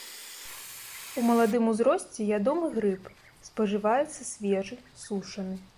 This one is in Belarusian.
У маладым узросце ядомы грыб, спажываецца свежы, сушаны.